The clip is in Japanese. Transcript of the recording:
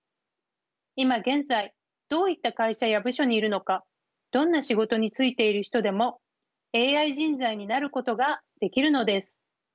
今現在どういった会社や部署にいるのかどんな仕事に就いている人でもＡＩ人材になることができるのです。